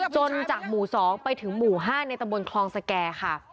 จากหมู่๒ไปถึงหมู่๕ในตำบลคลองสแก่ค่ะ